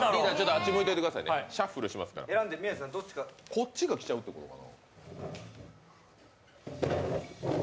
こっちがきちゃうってことか。